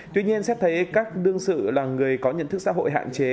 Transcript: tuy nhiên xét thấy các đương sự là người có nhận thức xã hội hạn chế